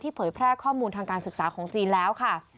เผยแพร่ข้อมูลทางการศึกษาของจีนแล้วค่ะ